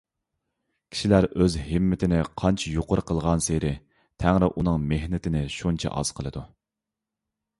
كىشىلەر ئۆز ھىممىتىنى قانچە يۇقىرى قىلغانسېرى، تەڭرى ئۇنىڭ مېھنىتىنى شۇنچە ئاز قىلىدۇ.